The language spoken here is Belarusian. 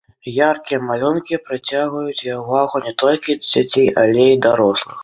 Яркія малюнкі прыцягваюць увагу не толькі дзяцей, але і дарослых.